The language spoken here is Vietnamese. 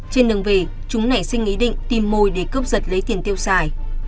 trên đường về chúng nảy sinh ý định tìm mồi để cướp giật lấy tiền tiêu xài